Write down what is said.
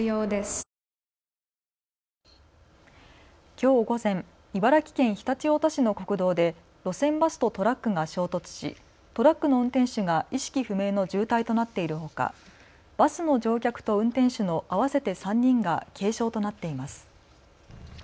きょう午前、茨城県常陸太田市の国道で路線バスとトラックが衝突し、トラックの運転手が意識不明の重体となっているほかバスの乗客と運転手の合わせて３人が軽傷となっています。